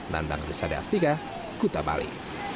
nandang di sade astika kutabali